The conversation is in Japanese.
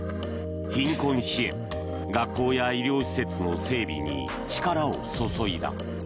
貧困支援、学校や医療施設の整備に力を注いだ。